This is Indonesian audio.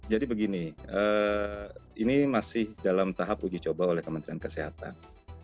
jadi begini ini masih dalam tahap uji coba oleh kementerian kesehatan